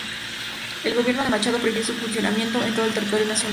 El gobierno de Machado prohibió su funcionamiento en todo el territorio nacional.